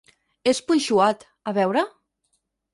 És Punxuat, a veure?